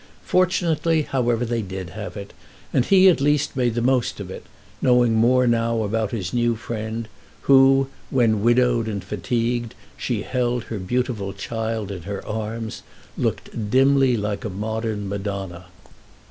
Fortunately however they did have it, and he, at least, made the most of it, knowing more now about his new friend, who when, widowed and fatigued, she held her beautiful child in her arms, looked dimly like a modern Madonna.